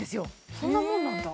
そんなもんなんだ